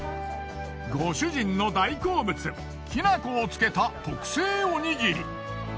ご主人の大好物きな粉をつけた特製おにぎり。